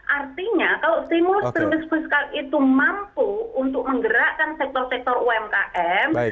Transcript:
artinya kalau stimulus stimulus fiskal itu mampu untuk menggerakkan sektor sektor umkm